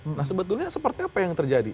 nah sebetulnya seperti apa yang terjadi